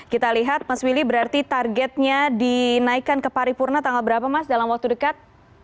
kita lihat mas willy berarti targetnya dinaikkan ke paripurna tanggal berapa mas dalam waktu dekat